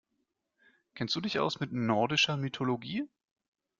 Kennst du dich aus mit nordischer Mythologie?